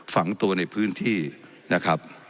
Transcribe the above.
ฝังตัวในพื้นที่นะครับ